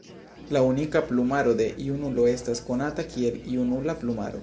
La unika plumaro de junulo estas konata kiel junula plumaro.